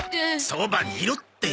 そばにいろって。